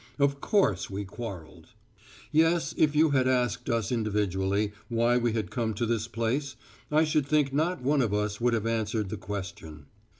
Of course we quarrelled. Yes, and if you had asked us individually why we had come to this place I should think not one of us would have answered the question.